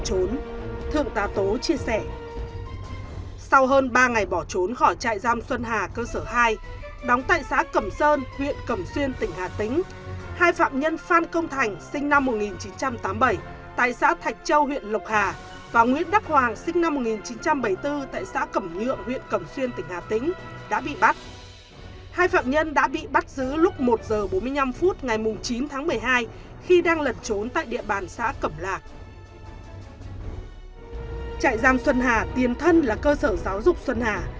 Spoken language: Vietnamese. chạy giam xuân hà tiền thân là cơ sở giáo dục xuân hà